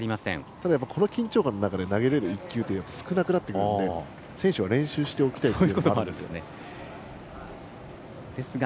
ただこの緊張感で投げられる１球は少なくなってくるので選手は練習しておきたいと思います。